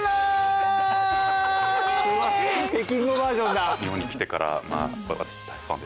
北京語バージョンだ！